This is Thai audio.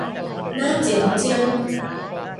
หน้าเจี๋ยมเจี้ยม